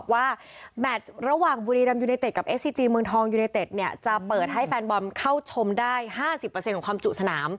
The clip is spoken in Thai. ว่าแมทระหว่างบุรีรัมยูเนเต็ดกับเอสซีจีเมืองทองยูเนเต็ดเนี่ยจะเปิดให้แฟนบอลเข้าชมได้๕๐ของความจุสนาม